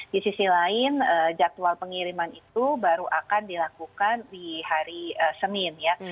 di sisi lain jadwal pengiriman itu baru akan dilakukan di hari senin ya